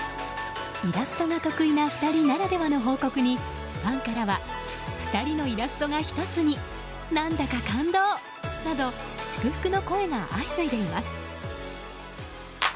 イラストが得意な２人ならではの報告にファンからは２人のイラストが１つになんだか感動など祝福の声が相次いでいます。